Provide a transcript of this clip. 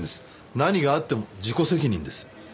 何があっても自己責任です。